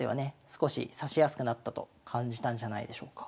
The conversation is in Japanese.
少し指しやすくなったと感じたんじゃないでしょうか。